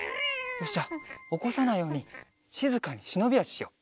よしじゃあおこさないようにしずかにしのびあししよう。